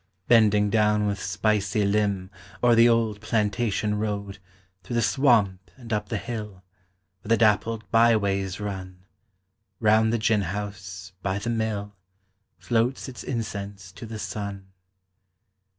Bending down with spicy limb O'er the old plantation road Through the swamp and up the hill, Where the dappled byways run, Round the gin house, by the mill, Floats its incense to the sun.